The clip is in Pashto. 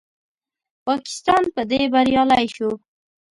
پاکستان په دې بریالی شو